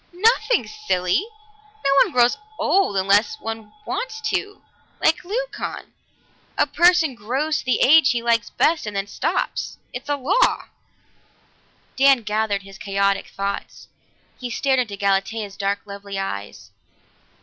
"Nothing, silly! No one grows old unless he wants to, like Leucon. A person grows to the age he likes best and then stops. It's a law!" Dan gathered his chaotic thoughts. He stared into Galatea's dark, lovely eyes.